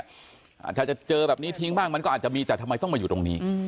อาจจะเจอแบบนี้ทิ้งบ้างมันก็อาจจะมีแต่ทำไมต้องมาอยู่ตรงนี้